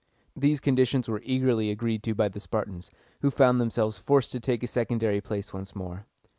These conditions were eagerly agreed to by the Spartans, who found themselves forced to take a secondary place once more.